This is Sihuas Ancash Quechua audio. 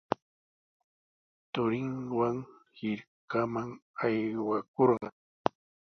Turinwan hirkaman aywakurqan.